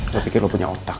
saya pikir lo punya otak